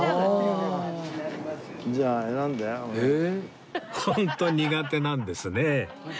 ホント苦手なんですね